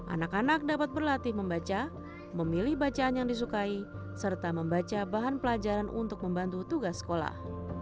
anak anak dapat berlatih membaca memilih bacaan yang disukai serta membaca bahan pelajaran untuk membantu tugas sekolah